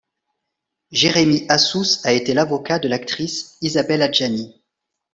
Jérémie Assous a été l'avocat de l'actrice Isabelle Adjani.